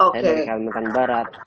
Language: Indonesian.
saya dari kalimantan barat